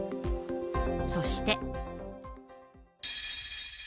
そして。